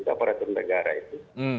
aparatur negara itu